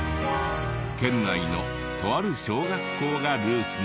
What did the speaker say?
県内のとある小学校がルーツのようで。